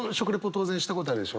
当然したことあるでしょ？